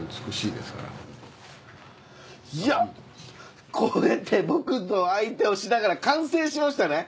いやこうやって僕と相手をしながら完成しましたね。